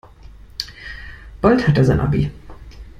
Bald hat er sein Abi.